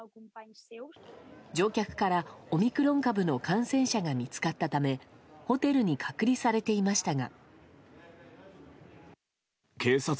乗客から、オミクロン株の感染者が見つかったためホテルに隔離されていましたが。